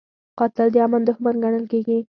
قاتل د امن دښمن ګڼل کېږي